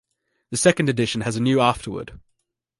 The second edition has a new afterword.